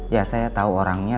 ya saya tahu orangnya